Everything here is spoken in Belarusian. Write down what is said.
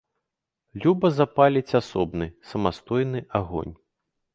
Люба запаліць асобны, самастойны агонь.